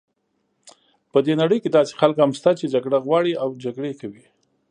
په دې نړۍ کې داسې خلک هم شته چې جګړه غواړي او جګړې کوي.